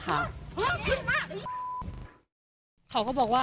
ก็กลายเป็นว่าติดต่อพี่น้องคู่นี้ไม่ได้เลยค่ะ